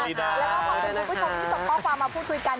แล้วก็ขอบคุณคุณผู้ชมที่ส่งข้อความมาพูดคุยกัน